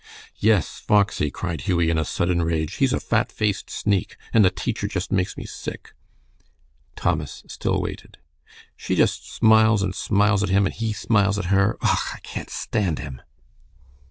"Yes, Foxy," cried Hughie, in a sudden rage. "He's a fat faced sneak! And the teacher just makes me sick!" Thomas still waited. "She just smiles and smiles at him, and he smiles at her. Ugh! I can't stand him."